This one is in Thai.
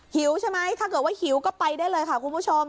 หิวใช่ไหมถ้าเกิดว่าหิวก็ไปได้เลยค่ะคุณผู้ชม